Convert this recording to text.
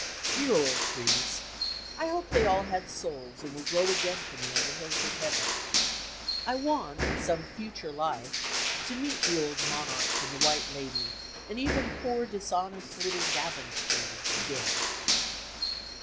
Dear old trees! I hope they all had souls and will grow again for me on the hills of Heaven. I want, in some future life, to meet the old "Monarch" and the "White Lady," and even poor, dishonest litde "Gavin's tree" again.